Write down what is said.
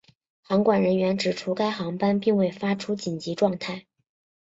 航管人员指出该航班并未发出紧急状态。